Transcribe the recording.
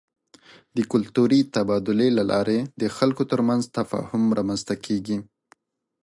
د کلتوري تبادلې له لارې د خلکو ترمنځ تفاهم رامنځته کېږي.